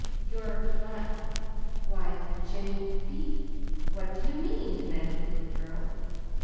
"You're not Why, Jimmy Be What do you mean?" demanded the little girl.